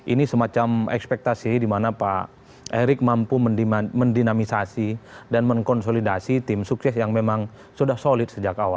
ini semacam ekspektasi dimana pak erick mampu mendinamisasi dan mengkonsolidasi tim sukses yang memang sudah solid